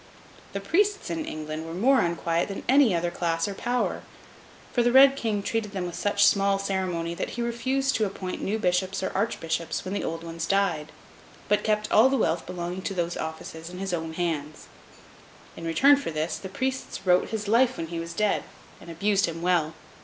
The Priests in England were more unquiet than any other class or power; for the Red King treated them with such small ceremony that he refused to appoint new bishops or archbishops when the old ones died, but kept all the wealth belonging to those offices in his own hands. In return for this, the Priests wrote his life when he was dead, and abused him well.